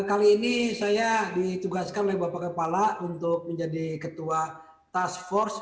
kali ini saya ditugaskan oleh bapak kepala untuk menjadi ketua task force